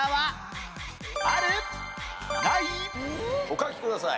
お書きください。